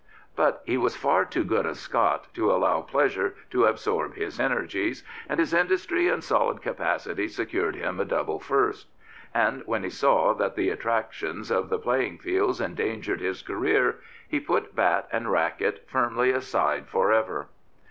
But he was far too good a Scot to allow pleasure to absorb his' energies, and his industry and solid capacity secured him a double first. And when he saw that the attractions of the playing fields endangered his career, he put bat and racquet firmly aside for ever.